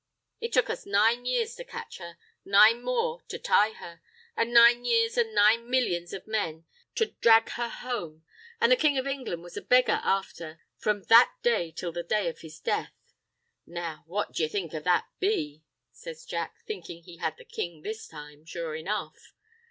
It took us nine years to catch her, nine more to tie her, an' nine years and nine millions of men to drag her home, an' the King of Englan' was a beggar afther from that day till the day of his death. Now, what do ye think of that bee?" says Jack, thinkin' he had the king this time, sure enough.